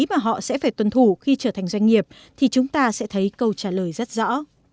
mà họ sẽ phải tuân thủ khi trở thành doanh nghiệp thì chúng ta sẽ thấy câu trả lời rất rõ